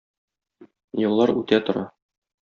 Еллар үтә тора.